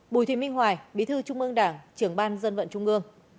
bùi thị minh hoài bí thư trung ương đảng trưởng ban dân vận trung ương